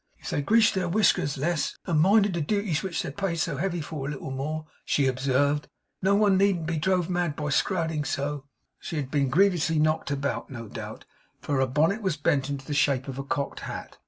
'If they greased their whiskers less, and minded the duties which they're paid so heavy for, a little more,' she observed, 'no one needn't be drove mad by scrouding so!' She had been grievously knocked about, no doubt, for her bonnet was bent into the shape of a cocked hat.